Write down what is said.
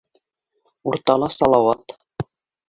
Уртала - Салауат.